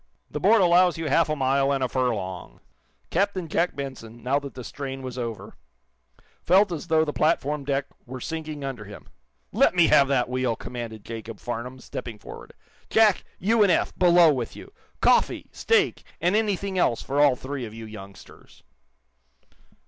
"The board allows you half a mile and a furlong." Captain Jack Benson, now that the strain was over, felt as though the platform deck were sinking under him. "Let me have that wheel," commanded Jacob Farnum, stepping forward. "Jack, you and Eph, below with you! Coffee, steak and anything else for all three of you youngsters!"